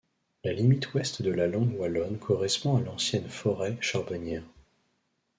La limite ouest de la langue wallonne correspond à l'ancienne forêt charbonnière.